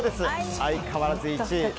相変わらず１位。